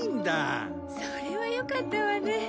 それはよかったわね。